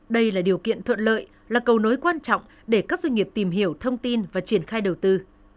đây là điều kiện thuận lợi là cầu nối quan trọng để các doanh nghiệp tìm hiểu thông tin và triển khai đầu tư